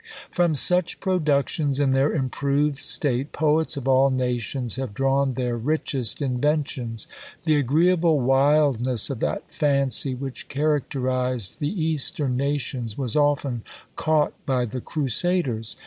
From such productions in their improved state poets of all nations have drawn their richest inventions. The agreeable wildness of that fancy which characterised the Eastern nations was often caught by the crusaders.